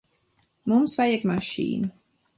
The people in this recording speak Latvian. Mums vajag mašīnu.